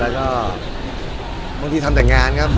แล้วก็บางทีทำแต่งานครับ